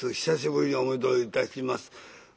久しぶりにお目通りいたします。